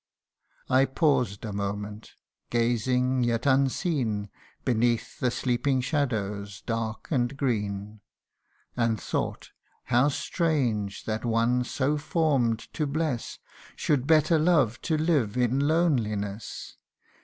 CANTO III. 105 I paused a moment, gazing yet unseen Beneath the sleeping shadows dark and green ; And thought, how strange that one so form'd to bless Should better love to live in loneliness.